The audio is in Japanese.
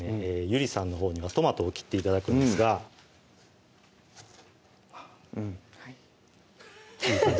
ゆりさんのほうにはトマトを切って頂くんですがうんはいハハッ